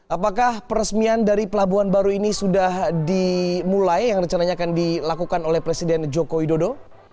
apakah peresmian dari pelabuhan baru ini sudah dimulai yang rencananya akan dilakukan oleh presiden joko widodo